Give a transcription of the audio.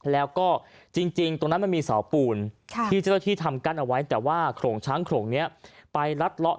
แล้วก็จริงตรงนั้นมันมีเสาปูนที่เจ้าหน้าที่ทำกั้นเอาไว้แต่ว่าโขลงช้างโขลงนี้ไปรัดเลาะ